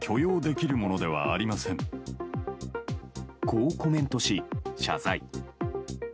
こうコメントし謝罪。